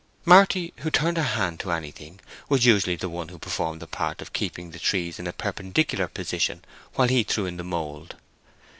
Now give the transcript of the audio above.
Marty, who turned her hand to anything, was usually the one who performed the part of keeping the trees in a perpendicular position while he threw in the mould.